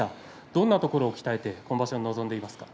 どんなところを鍛えて今場所に臨んでいますか？